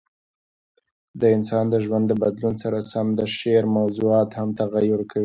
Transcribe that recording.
د انسان د ژوند د بدلون سره سم د شعر موضوعات هم تغیر کوي.